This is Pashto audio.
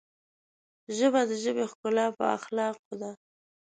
ژبه د ژبې ښکلا په اخلاقو ده